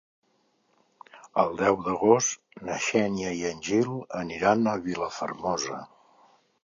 El deu d'agost na Xènia i en Gil aniran a Vilafermosa.